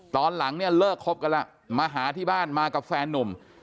ตอนหลังเนี่ยเลิกคบกันแล้วมาหาที่บ้านมากับแฟนนุ่ม